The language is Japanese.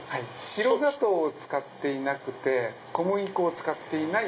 白砂糖を使っていなくて小麦粉を使っていない。